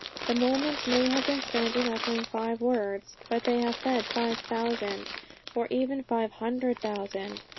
The moment may have been spent in uttering five words, but they have fed five thousand, or even five hundred thousand.